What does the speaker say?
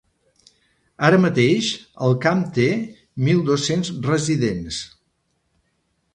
Ara mateix, el camp té mil dos-cents residents.